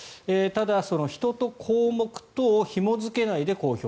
ただ、人と項目とをひも付けないで公表。